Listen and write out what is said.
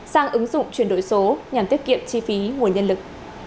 sang ứng dụng chuyển đổi số nhằm tiết kiệm chi phí nguồn nhân lực